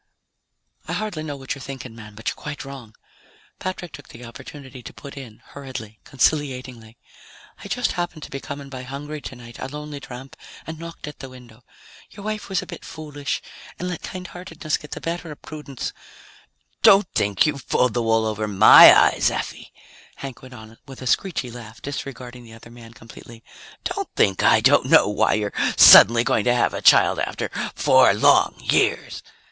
_" "I hardly know what you're thinking, man, but you're quite wrong," Patrick took the opportunity to put in hurriedly, conciliatingly. "I just happened to be coming by hungry tonight, a lonely tramp, and knocked at the window. Your wife was a bit foolish and let kindheartedness get the better of prudence " "Don't think you've pulled the wool over my eyes, Effie," Hank went on with a screechy laugh, disregarding the other man completely. "Don't think I don't know why you're suddenly going to have a child after four long years."